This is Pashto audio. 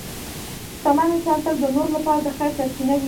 شتمن انسان تل د نورو لپاره د خیر سرچینه وي.